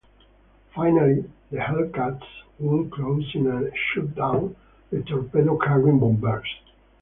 Finally, the Hellcats would close in and shoot down the torpedo-carrying bombers.